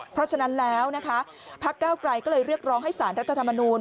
เพราะฉะนั้นแล้วนะคะพักเก้าไกรก็เลยเรียกร้องให้สารรัฐธรรมนูล